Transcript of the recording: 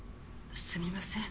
すみません